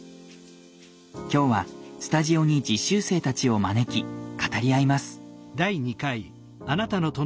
今日はスタジオに実習生たちを招き語り合います。